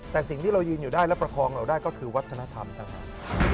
แต่สิ่งที่เรายืนอยู่ได้และประคองเราได้ก็คือวัฒนธรรมทั้งนั้น